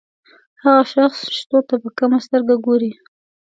هغه شخص شتو ته په کمه سترګه ګوري.